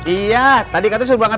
iya tadi katanya seru banget